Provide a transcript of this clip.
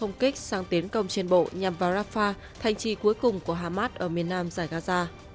ông kích sang tiến công trên bộ nhằm vào rafah thành trì cuối cùng của hamas ở miền nam giải gaza